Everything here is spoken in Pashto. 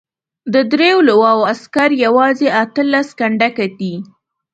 د دریو لواوو عسکر یوازې اته لس کنډکه دي.